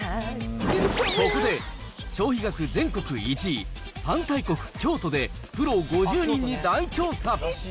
そこで消費額全国１位、パン大国・京都でプロ５０人に大調査。